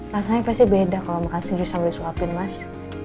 rasanya pasti beda kalau makan sendiri sambil disuapin mas